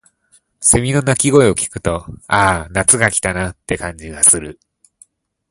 蝉の鳴き声を聞くと、「ああ、夏が来たな」って感じがする。